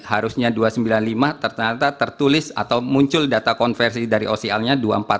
harusnya dua ratus sembilan puluh lima ternyata tertulis atau muncul data konversi dari ocl nya dua ratus empat puluh lima